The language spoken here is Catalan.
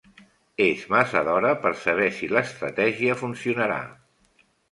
És massa d'hora per saber si l'estratègia funcionarà.